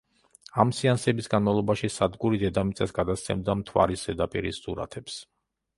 ამ სეანსების განმავლობაში სადგური დედამიწას გადასცემდა მთვარის ზედაპირის სურათებს.